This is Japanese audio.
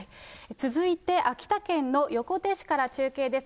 続いて、秋田県の横手市から中継です。